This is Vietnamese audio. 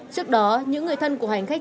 trước đó những người thân của hành khách